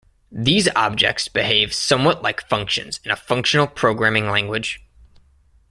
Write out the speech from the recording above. These objects behave somewhat like functions in a functional programming language.